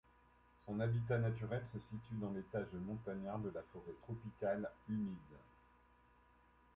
Son habitat naturel se situe dans l'étage montagnard de la forêt tropicale humide.